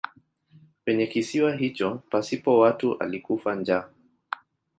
Kwenye kisiwa hicho pasipo watu alikufa njaa.